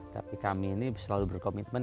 tapi kami ini selalu berkomitmen